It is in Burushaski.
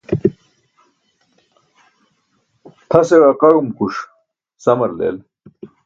Tʰase ġaqaẏumkuṣ samar leel.